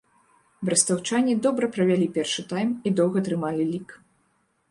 Брэстаўчане добра правялі першы тайм і доўга трымалі лік.